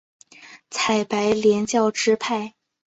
采白莲教支派。